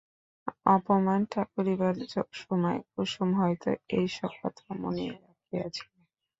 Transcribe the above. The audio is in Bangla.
অপমানটা করিবার সময় কুসুম হয়তো এইসব কথাও মনে রাখিয়াছিল।